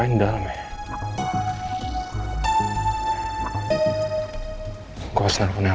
buat kurang mencumpikannya